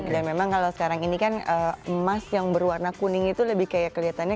dan memang kalau sekarang ini kan emas yang berwarna kuning itu lebih kayak kelihatannya